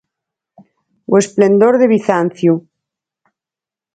O esplendor de Bizancio.